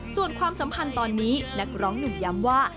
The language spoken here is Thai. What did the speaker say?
ส่วนความสัมพันธ์ตอนนี้นักร้องหนุ่มย้ำว่า